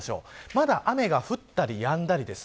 まだ雨が降ったりやんだりです。